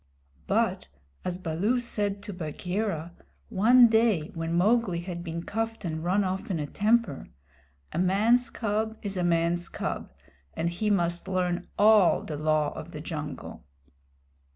But, as Baloo said to Bagheera, one day when Mowgli had been cuffed and run off in a temper, "A man's cub is a man's cub, and he must learn all the Law of the Jungle."